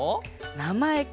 なまえか。